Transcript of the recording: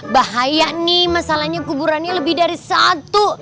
bahaya nih masalahnya kuburannya lebih dari satu